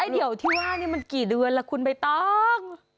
เดี๋ยวที่ว่านี่มันกี่เดือนล่ะคุณใบตอง